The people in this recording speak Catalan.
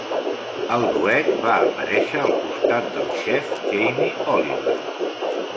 El duet va aparèixer al costat del xef Jamie Oliver.